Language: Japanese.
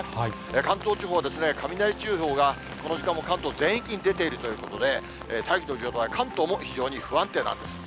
関東地方は、雷注意報が、この時間も関東全域に出ているということで、大気の状態が関東も非常に不安定なんです。